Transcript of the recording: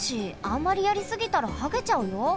あんまりやりすぎたらはげちゃうよ。